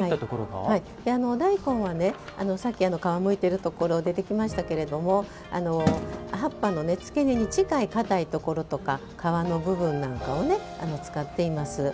大根はさっき、皮むいてるところ出てきましたけど葉っぱのつけ根に近い皮のところとか皮の部分なんかを使っています。